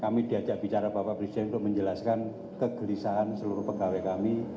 kami diajak bicara bapak presiden untuk menjelaskan kegelisahan seluruh pegawai kami